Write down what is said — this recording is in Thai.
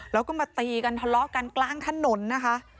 แล้วก็มาตีกันทะเลาะกันกลางถนนนะคะ